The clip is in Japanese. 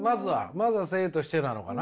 まずは声優としてなのかな？